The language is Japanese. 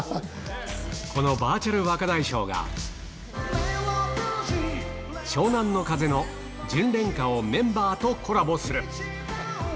このバーチャル若大将が、湘南乃風の純恋歌をメンバーとコラボする。